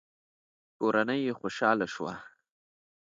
کورنۍ يې خوشاله شوه.